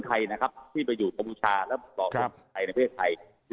ไทยนะครับที่ไปอยู่ประปุฏิชาแล้วตอบในเทพไทยที่เรียกว่า